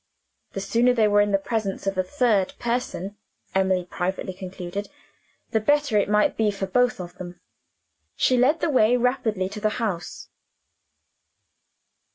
The sooner they were in the presence of a third person (Emily privately concluded) the better it might be for both of them. She led the way rapidly to the house.